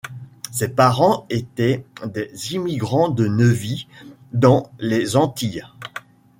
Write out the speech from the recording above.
Ses parents étaient des immigrants de Nevis dans les Antilles.